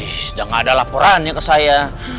ih udah gak ada laporannya ke saya